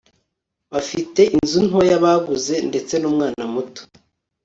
bafite inzu ntoya baguze, ndetse n'umwana muto